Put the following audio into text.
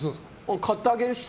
買ってあげるしさ。